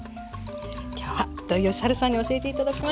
今日は土井善晴さんに教えて頂きました。